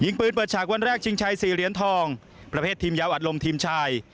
ปืนเปิดฉากวันแรกชิงชัย๔เหรียญทองประเภททีมยาวอัดลมทีมชาย